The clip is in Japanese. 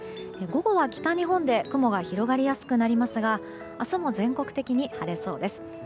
午後は北日本で雲が広がりやすくなりますが明日も全国的に晴れそうです。